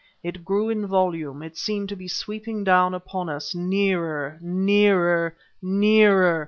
It grew in volume, it seemed to be sweeping down upon us nearer nearer nearer.